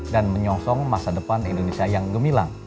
dan menyongsong masa depan indonesia yang gemilang